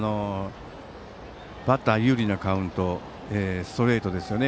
バッター有利なカウントでストレートですよね。